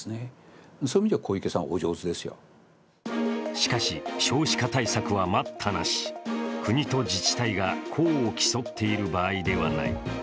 しかし、少子化対策は待ったなし国と自治体が功を競っている場合ではない。